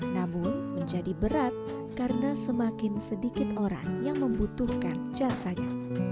namun menjadi berat karena semakin sedikit orang yang membutuhkan jasanya